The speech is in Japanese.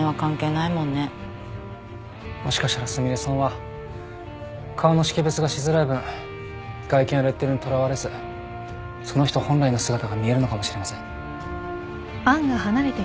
もしかしたらすみれさんは顔の識別がしづらい分外見やレッテルにとらわれずその人本来の姿が見えるのかもしれません。